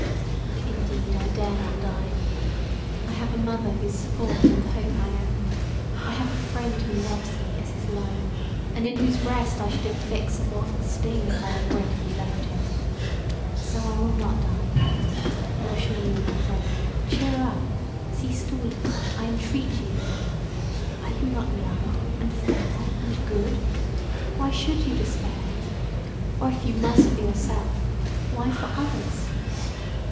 "Indeed I dare not die. I have a mother whose support and hope I am. I have a friend who loves me as his life, and in whose breast I should infix a mortal sting if I ungratefully left him. So I will not die. Nor shall you, my friend; cheer up; cease to weep, I entreat you. Are you not young, and fair, and good? Why should you despair? Or if you must for yourself, why for others?